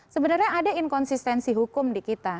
sebenarnya ada inkonsistensi hukum di kita